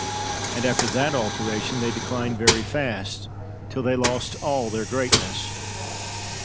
And after that alteration they declined very fast, till they lost all their greatness.